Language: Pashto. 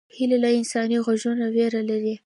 هیلۍ له انساني غږونو ویره لري